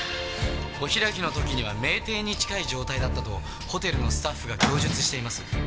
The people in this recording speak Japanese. お開きの時には酩酊に近い状態だったとホテルのスタッフが供述しています。